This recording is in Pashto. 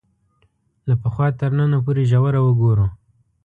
له پخوا تر ننه پورې ژوره وګورو